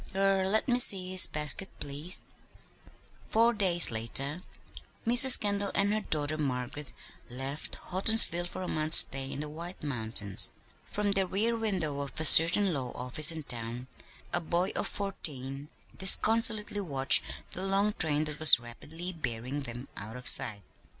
Er let me see his basket, please." Four days later Mrs. Kendall and her daughter Margaret left Houghtonsville for a month's stay in the White Mountains. From the rear window of a certain law office in town a boy of fourteen disconsolately watched the long train that was rapidly bearing them out of sight.